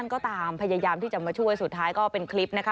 ก็ตามพยายามที่จะมาช่วยสุดท้ายก็เป็นคลิปนะคะ